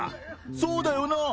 そうだよなぁ？